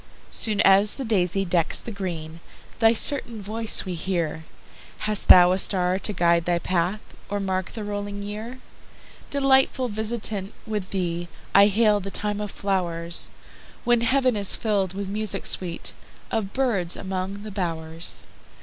Soon as the daisy decks the green, Thy certain voice we hear:Hast thou a star to guide thy path, Or mark the rolling year? Delightful visitant! with theeI hail the time of flow'rs, When heav'n is fill'd with music sweetOf birds among the bow'rs.